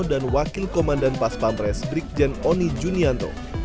dan wakil komandan pas pampres brikjen oni junianto